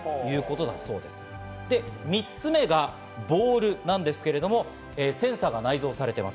で、３つ目がボールなんですけれども、センサーが内蔵されています。